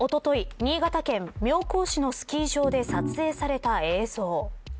新潟県妙高市のスキー場で撮影された映像。